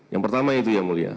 yang pertama itu ya mulia